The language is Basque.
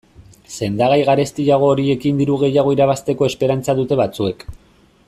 Sendagai garestiago horiekin diru gehiago irabazteko esperantza dute batzuek.